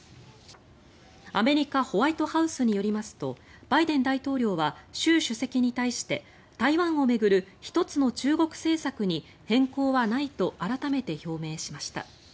アメリカ・ホワイトハウスによりますとバイデン大統領は習主席に対して台湾を巡る一つの中国政策に変更はないと改めて表明しました。